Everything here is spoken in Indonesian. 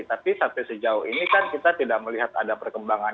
tapi sampai sejauh ini kan kita tidak melihat ada perkembangan